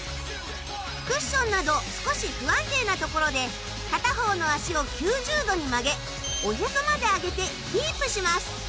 クッションなど少し不安定なところで片方の足を９０度に曲げおへそまで上げてキープします。